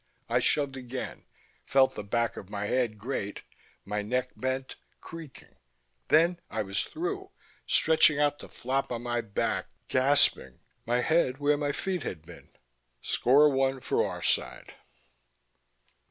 I shoved again, felt the back of my head grate; my neck bent, creaking ... then I was through, stretching out to flop on my back, gasping, my head where my feet had been. Score one for our side.